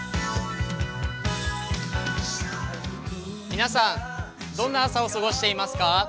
皆さん、どんな朝を過ごしていますか？